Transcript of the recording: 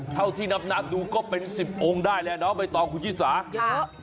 เท่าที่นับหน้าดูก็เป็นสิบองค์ได้แหละเนอะไปต่อคุชิสาค่ะ